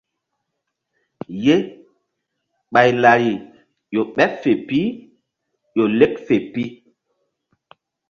Ye ɓay lari ƴo ɓeɓ fe pi ƴo lek fe pi.